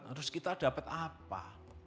terus kita dapat apa